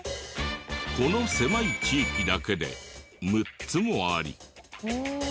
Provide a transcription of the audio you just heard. この狭い地域だけで６つもあり。